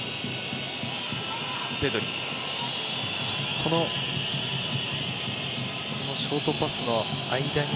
このショートパスの間に。